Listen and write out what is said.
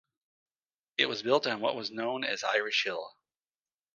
It was built on what was known as Irish Hill.